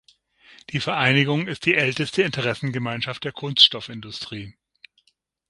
Die Vereinigung ist die älteste Interessengemeinschaft der Kunststoffindustrie.